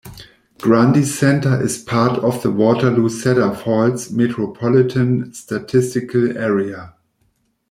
Grundy Center is part of the Waterloo-Cedar Falls Metropolitan Statistical Area.